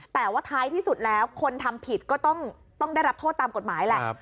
แต่ว่าท้ายที่สุดแล้วคนทำผิดก็ต้องได้รับโทษตามกฎหมายแหละ